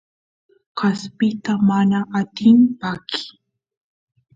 kaspita mana atini pakiy